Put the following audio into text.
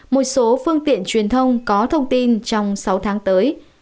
một số phương tiện truyền thông có thông tin trong sáu tháng tới